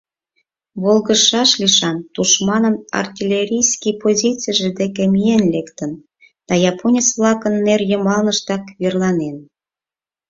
Волгыжшаш лишан тушманын артиллерийский позицийже деке миен лектын да японец-влакын нер йымаланыштак верланен.